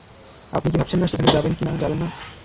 আপনি কি ভাবছেন না সেখানে যাবেন কি যাবেন না?